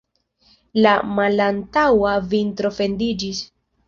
La malantaŭa vitro fendiĝis.